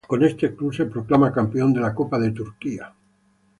Con este club se proclama campeón de la Copa de Turquía.